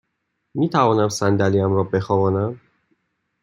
می توانم صندلی ام را بخوابانم؟